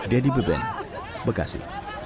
dedy beben bekasi